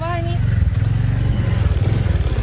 ไม่ได้